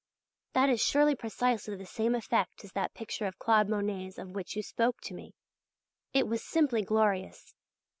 That is surely precisely the same effect as that picture of Claude Monet's of which you spoke to me. It was simply glorious.